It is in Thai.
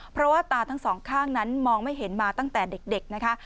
เพราะว่าตาทั้งสองข้างนั้นมองไม่เห็นมาตั้งแต่เด็กนะคะ